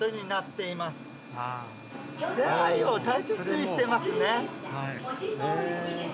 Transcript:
出会いを大切にしてますね。